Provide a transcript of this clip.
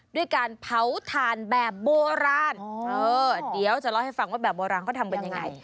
ด้วยการเผาถ่านแบบโบราณเดี๋ยวจะเล่าให้ฟังว่าแบบโบราณเขาทำกันยังไง